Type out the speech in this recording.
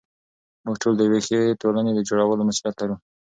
موږ ټول د یوې ښې ټولنې د جوړولو مسوولیت لرو.